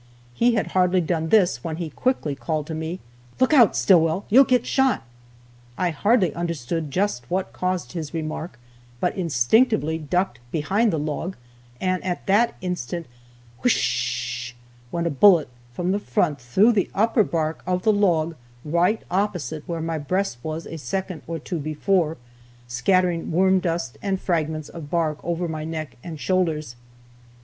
He had hardly done this when he quickly called to me "Look out, Stillwell! You'll get shot!" I hardly understood just what caused his remark, but instinctively ducked behind the log, and at that instant "whis sh" went a bullet from the front through the upper bark of the log, right opposite where my breast was a second or two before, scattering worm dust and fragments of bark over my neck and shoulders.